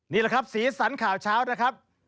นี่แหละครับสีสันข่าวเช้านะครับ